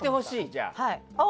じゃあ。